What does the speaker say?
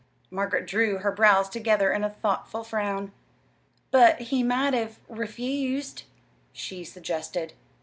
Margaret drew her brows together in a thoughtful frown. "But he might have refused," she suggested.